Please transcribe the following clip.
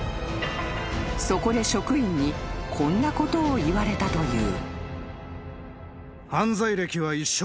［そこで職員にこんなことを言われたという］